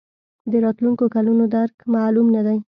د راتلونکو کلونو درک معلوم نه دی.